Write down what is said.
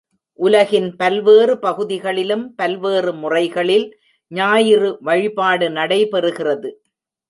உலகின் பல்வேறு பகுதிகளிலும் பல்வேறு முறைகளில் ஞாயிறு வழிபாடு நடைபெறு கிறது.